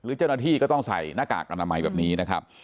เจ้าหน้าที่ก็ต้องใส่หน้ากากอนามัยแบบนี้นะครับ